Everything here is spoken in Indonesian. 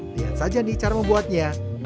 lihat saja nih cara membuatnya